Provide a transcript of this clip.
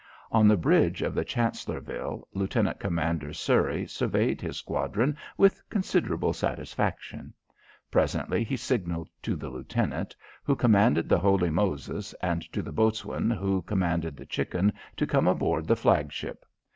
On the bridge of the Chancellorville, Lieutenant Commander Surrey surveyed his squadron with considerable satisfaction. Presently he signalled to the lieutenant who commanded the Holy Moses and to the boatswain who commanded the Chicken to come aboard the flag ship.